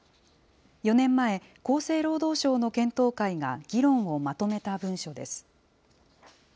４年前、厚生労働省の検討会が議論をまとめた文書です。